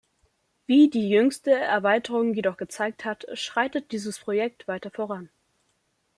Wie die jüngste Erweiterung jedoch gezeigt hat, schreitet dieses Projekt weiter voran.